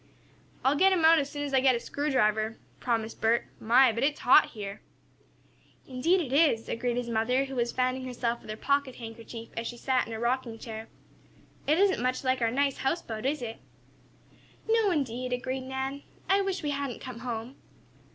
"I'll let him out as soon as I get a screwdriver," promised Bert. "My, but it's hot here!" "Indeed it is," agreed his mother, who was fanning herself with her pocket handkerchief as she sat in a rocking chair. "It isn't much like our nice houseboat, is it?" "No, indeed," agreed Nan. "I wish we hadn't come home."